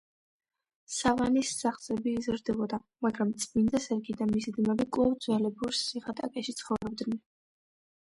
სავანის სახსრები იზრდებოდა, მაგრამ წმინდა სერგი და მისი ძმები კვლავ ძველებურ სიღატაკეში ცხოვრობდნენ.